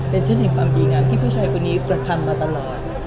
เป็นเส้นแห่งความดีงามที่ผู้ชายคนนี้กระทำมาตลอด